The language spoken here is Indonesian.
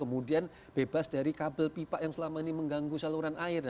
kemudian bebas dari kabel pipa yang selama ini mengganggu saluran air